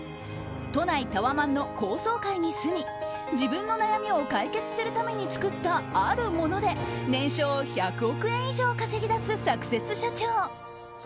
都内タワマンの高層階に住み自分の悩みを解決するために作った、あるもので年商１００億円以上稼ぎ出すサクセス社長。